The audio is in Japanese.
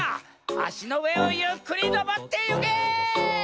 あしのうえをゆっくりのぼってゆけ！